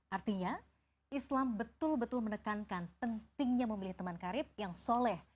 artinya islam betul betul menekankan pentingnya memilih teman karib yang soleh